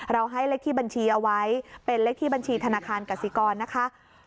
ให้เลขที่บัญชีเอาไว้เป็นเลขที่บัญชีธนาคารกสิกรนะคะ